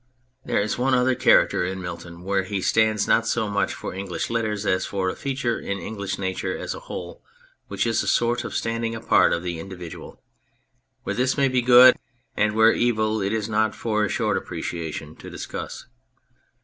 There is one other character in Milton wherein he stands not so much for English Letters as for a feature in English nature as a whole, which is a sort of standing apart of the individual. Where this may be good and where evil it is not for a short apprecia tion to discuss.